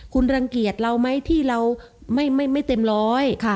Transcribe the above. คุณรังเกียจเราไหมที่เราไม่เต็มร้อย